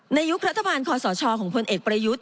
ยุครัฐบาลคอสชของพลเอกประยุทธ์